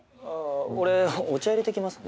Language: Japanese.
俺お茶いれてきますね。